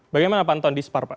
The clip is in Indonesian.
bagaimana pantauan dispar pak